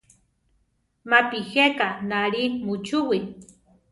Mapi jéka náli muchúwi.